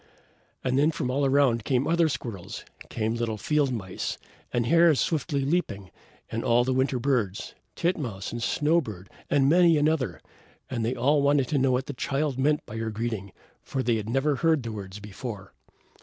And then from all around came other squirrels, came little field mice, and hares swiftly leaping, and all the winter birds, titmouse and snow bird, and many another; and they all wanted to know what the Child meant by her greeting, for they had never heard the words before.